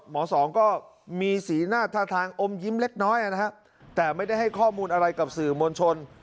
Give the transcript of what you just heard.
สองก็มีสีหน้าท่าทางอมยิ้มเล็กน้อยนะฮะแต่ไม่ได้ให้ข้อมูลอะไรกับสื่อมวลชน